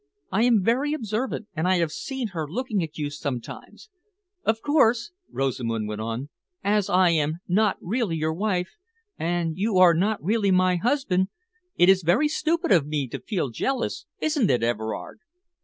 I am very observant, and I have seen her looking at you sometimes Of course," Rosamund went on, "as I am not really your wife and you are not really my husband, it is very stupid of me to feel jealous, isn't it, Everard?"